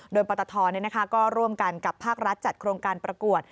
โดยปตทก็ร่วมกันกับภาครัฐจัดโครงการประกวด